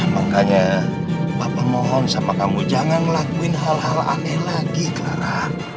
makanya bapak mohon sama kamu jangan lakuin hal hal aneh lagi clara